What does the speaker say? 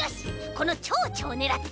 このちょうちょをねらって。